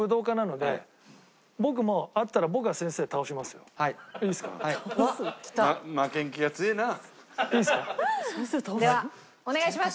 ではお願いします。